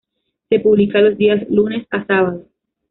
Se publica los días lunes a sábado.